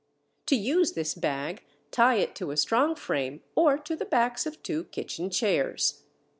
To use this bag, tie it to a strong frame or to the backs of two kitchen chairs.